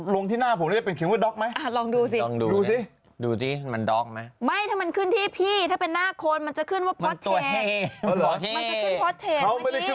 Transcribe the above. ลงที่หน้าผมได้เป็นเขียนว่าด๊อกไหมลองดูสิดูสิดูสิมันด๊อกไหมไม่ถ้ามันขึ้นที่พี่ถ้าเป็นหน้าคนมันจะขึ้นว่าพอสเทค